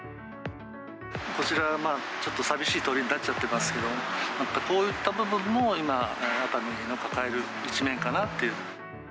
こちら、ちょっと寂しい通りになっちゃってますけど、こういった部分も今、熱海の抱える一面かなっていう。